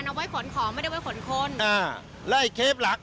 ตรงส่วนกระบะมันเอาไว้ขนของไม่ได้ไว้ขนคน